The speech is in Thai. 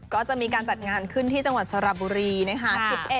ก็จะมีการจัดงานขึ้นที่จังหวัดสระบุรีนะคะ